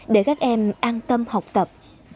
để các em an tâm học tập